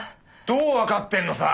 どうわかってるのさ！